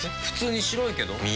普通に白いけど。